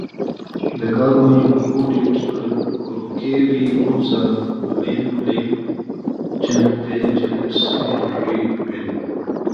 The cargo included crockery, rolls of linoleum, champagne and red wine.